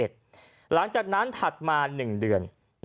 หลังจากนั้นถัดมา๑เดือน